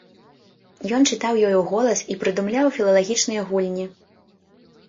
Ён чытаў ёй уголас і прыдумляў філалагічныя гульні.